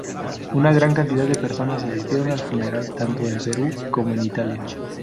Una gran cantidad de personas asistieron al funeral, tanto en Perú como en Italia.